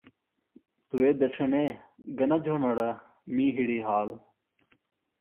تُوے دڇھنے گنہ جھونڑے می ہڑی حال۔